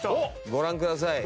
ご覧ください